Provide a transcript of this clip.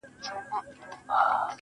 ما په سوغات کي تاته توره توپنچه راوړې~